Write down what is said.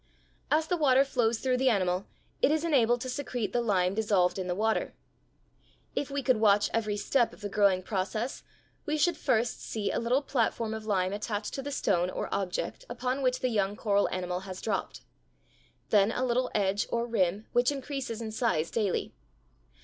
As the water flows through the animal it is enabled to secrete the lime dissolved in the water. If we could watch every step of the growing process, we should first see a little platform of lime attached to the stone or object upon which the young coral animal has dropped, then a little edge or rim which increases in size daily.